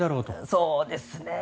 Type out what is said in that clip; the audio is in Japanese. そうですね。